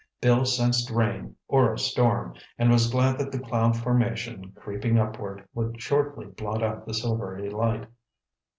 Bill sensed rain or a storm and was glad that the cloud formation, creeping upward, would shortly blot out the silvery light.